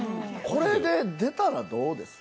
これで出たらどうです？